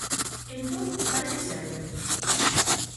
Entón, para que serven?